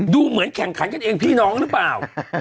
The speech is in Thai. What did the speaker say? ดูเหมือนแข่งขันกันเองพี่น้องหรือเปล่า